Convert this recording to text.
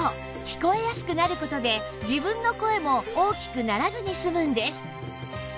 聞こえやすくなる事で自分の声も大きくならずに済むんです